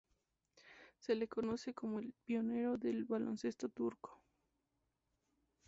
Se le conoce como el pionero del baloncesto turco.